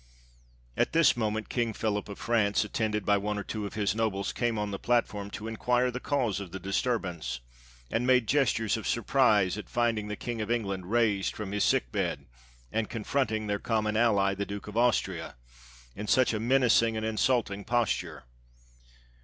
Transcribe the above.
At this moment, King Philip of France, attended by one or two of his nobles, came on the platform to inquire the cause of the disturbance, and made gestures of sur prise at finding the King of England raised from his sick bed, and confronting their common ally the Duke of Austria, in such a menacing and insulting posture.